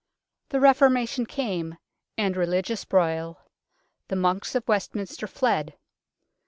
The Reformation came, and religious broil. The monks of Westminster fled.